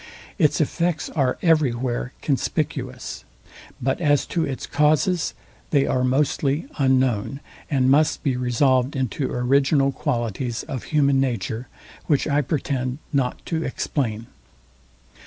Its effects are every where conspicuous; but as to its causes, they are mostly unknown, and must be resolved into original qualities of human nature, which I pretend not to explain.